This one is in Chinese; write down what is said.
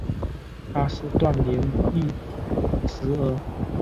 他是段廉义侄儿。